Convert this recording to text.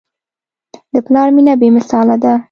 د پلار مینه بېمثاله ده.